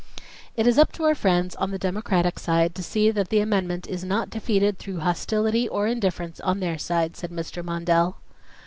"It is up to our friends on the Democratic side to see that the amendment is not defeated through hostility or indifference on their side," said Mr. Mondell.